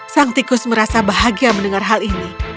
sang tikus merasa bahagia mendengar hal ini